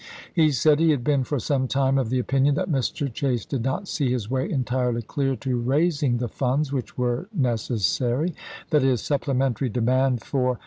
He said he had been for some time of the opinion that Mr. Chase did not see his way entirely clear to raising the funds which were necessary; that his supplementary demand for Vol.